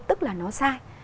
tức là nó sai